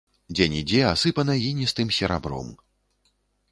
Дзе-нідзе асыпана іністым серабром.